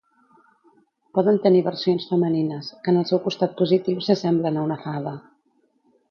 Poden tenir versions femenines, que en el seu costat positiu s'assemblen a una fada.